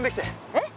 えっ？